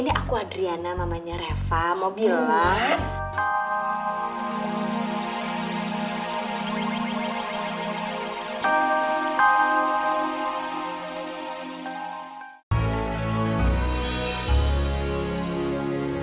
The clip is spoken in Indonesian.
ini aku adriana namanya reva mau bilang